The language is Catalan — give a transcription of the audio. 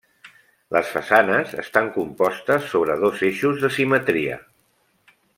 Les façanes estan compostes sobres dos eixos de simetria.